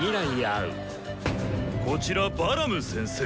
こちらバラム先生。